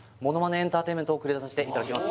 エンターテイメントを繰り出させていただきます